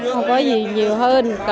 không có gì nhiều hơn